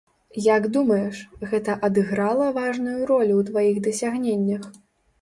Як думаеш, гэта адыграла важную ролю ў тваіх дасягненнях?